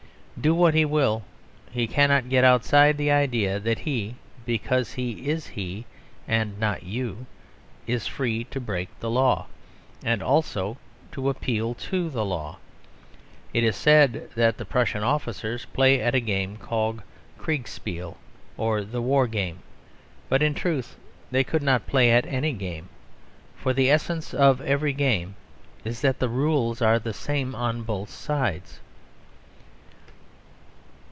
Do what he will, he cannot get outside the idea that he, because he is he and not you, is free to break the law; and also to appeal to the law. It is said that the Prussian officers play at a game called Kriegsspiel, or the War Game. But in truth they could not play at any game; for the essence of every game is that the rules are the same on both sides.